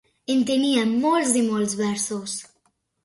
En tenia molts i molts versos.